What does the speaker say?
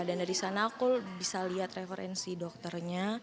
dan dari sana aku bisa lihat referensi dokternya